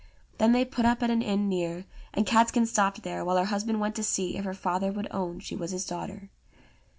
Then they put up at an inn near, and Catskin stopped there, while her husband went to see if her father would own she was his daughter.